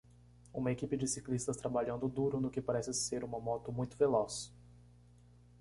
Uma equipe de ciclistas trabalhando duro no que parece ser uma moto muito veloz.